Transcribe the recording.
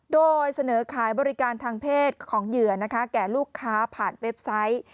โดยเสนอขายบริการทางเพศของเหยื่อนะคะแก่ลูกค้าผ่านเว็บไซต์